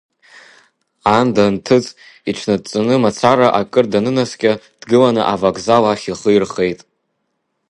Аанда анҭыҵ иҽнадҵаны мацара акыр данынаскьа, дгыланы авокзал ахь ихы ирхеит.